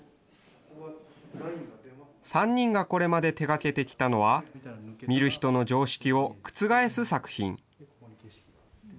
３人がこれまで手がけてきたのは、見る人の常識を覆す作品。